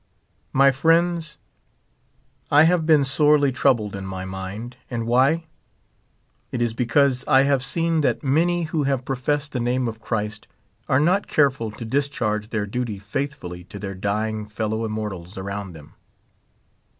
My Friends : I have been sorely troubled in my mind ; and why ? It is because I have seen that many who have professed the name of Christ are not careful to discharge their duty faithfully to their dying fellow immortals around them.